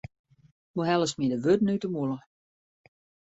Do hellest my de wurden út de mûle.